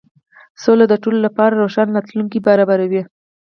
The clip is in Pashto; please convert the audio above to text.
سوله د ټولو لپاره روښانه راتلونکی برابروي.